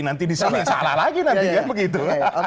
nanti ya begitu